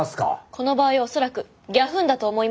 この場合は恐らくギャフンだと思いますが。